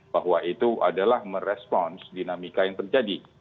bahwa itu adalah merespons dinamika yang terjadi